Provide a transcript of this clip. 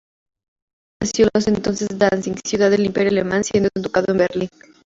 Stock nació en la entonces Danzig, ciudad del Imperio Alemán, siendo educado en Berlín.